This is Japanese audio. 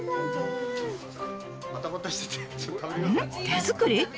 手作り？